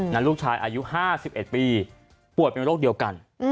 ลูกชายอายุ๕๑ปีป่วยเป็นโรคเดียวกัน